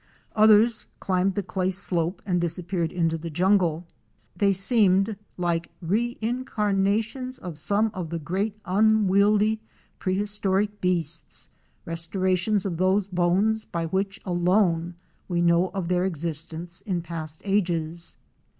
Others climbed the clay slope and disappeared into the jungle. They seemed like WATER TRAIL FROM GEORGETOWN TO AREMU. 255 reincarnations of some of the great unwieldy prehistoric beasts — restorations of those bones by which alone we know of their existence in past ages.